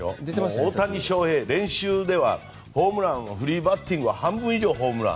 大谷翔平、練習ではホームランはフリーバッティング半分以上ホームラン。